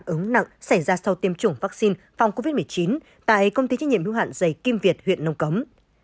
các trường hợp phản ứng nặng xảy ra sau tiêm chủng vaccine phòng covid một mươi chín tại công ty trách nhiệm hưu hạn dày kim việt huyện nông cống